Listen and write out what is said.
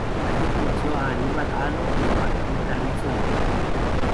Allí conoció a Aníbal Alo y a Martín Carrizo, entre otros.